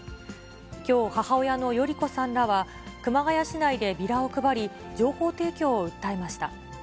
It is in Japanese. きょう、母親の代里子さんらは、熊谷市内でビラを配り、情報提供を訴えました。